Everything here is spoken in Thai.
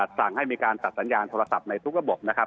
สั่งให้มีการตัดสัญญาณโทรศัพท์ในทุกระบบนะครับ